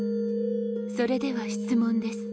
それでは質問です。